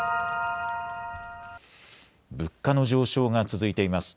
物価の上昇が続いています。